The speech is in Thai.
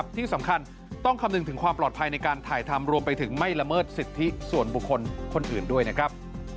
ที่สำคัญต้องคำนึงถึงความปลอดภัยในการถ่ายทำรวมไปถึงไม่ละเมิดสิทธิส่วนบุคคลคนอื่นด้วยนะครับ